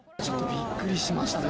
びっくりしましたね。